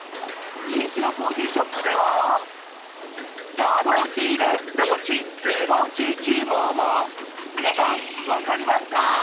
人気のコーヒーショップではらロひレロチてロチチモモ、皆さん、分かりますか？